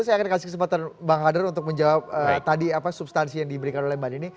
saya akan kasih kesempatan bang hadar untuk menjawab tadi apa substansi yang diberikan oleh mbak nini